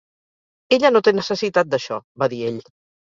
"Ella no té necessitat d'això", va dir ell.